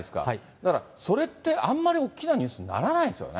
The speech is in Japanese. だからそれってあんまり大きなニュースにならないですよね。